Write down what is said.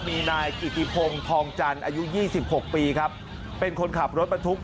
มีนายกิติพงศ์ทองจันทร์อายุ๒๖ปีครับเป็นคนขับรถบรรทุก